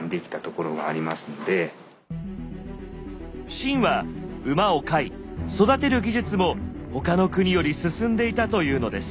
秦は馬を飼い育てる技術も他の国より進んでいたというのです。